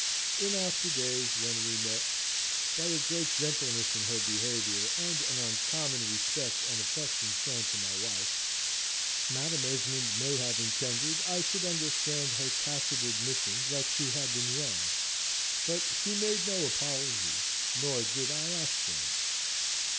In after days, when we met, by a great gentleness in her behaviour, and an uncommon respect and affection shown to my wife, Madam Esmond may have intended I should understand her tacit admission that she had been wrong; but she made no apology, nor did I ask one.